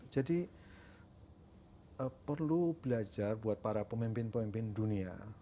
jadi perlu belajar buat para pemimpin pemimpin dunia